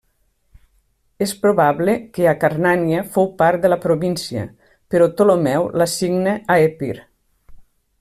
És probable que Acarnània fou part de la província, però Ptolemeu l'assigna a Epir.